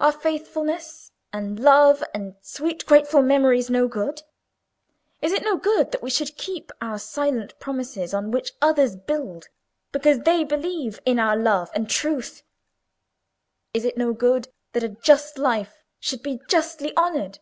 Are faithfulness, and love, and sweet grateful memories, no good? Is it no good that we should keep our silent promises on which others build because they believe in our love and truth? Is it no good that a just life should be justly honoured?